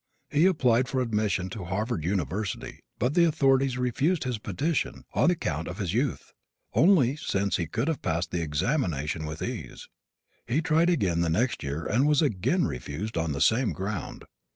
He applied for admission to Harvard University but the authorities refused his petition on account of his youth, only, since he could have passed the examination with ease. He tried again the next year and was again refused on the same ground.